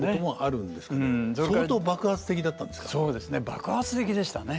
爆発的でしたね。